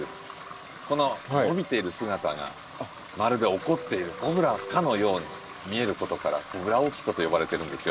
この伸びている姿がまるで怒っているコブラかのように見えることから“コブラオーキッド”と呼ばれてるんですよ。